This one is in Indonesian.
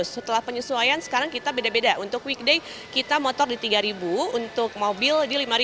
setelah penyesuaian sekarang kita beda beda untuk weekday kita motor di tiga ribu untuk mobil di lima ratus